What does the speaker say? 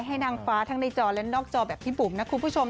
นางฟ้าทั้งในจอและนอกจอแบบพี่บุ๋มนะคุณผู้ชม